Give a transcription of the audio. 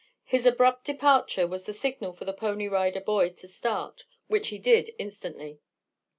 His abrupt departure was the signal for the Pony Rider boy to start, which he did instantly.